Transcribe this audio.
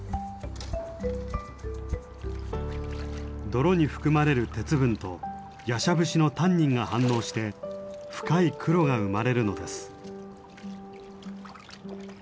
泥に含まれる鉄分とヤシャブシのタンニンが反応して深い黒が生まれるのです。